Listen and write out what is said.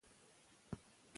نجلۍ خبرې نه اوږدوي.